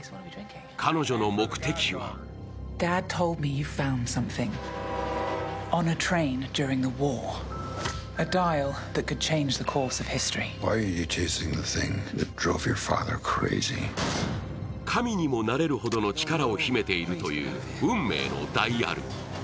彼女の目的は紙にもなれるほどの力を秘めているという運命のダイヤル。